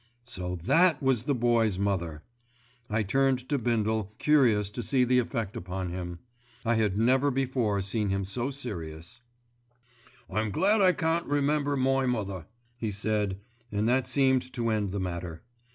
So that was the Boy's mother. I turned to Bindle, curious to see the effect upon him. I had never before seen him look so serious. "I'm glad I can't remember my mother," he said, and that seemed to end the matter.